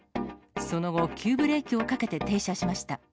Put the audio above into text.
その後、急ブレーキをかけて停車しました。